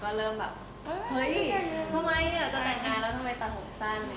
ก็เริ่มแบบเฮ้ยทำไมจะแต่งงานแล้วทำไมตัดผมสั้น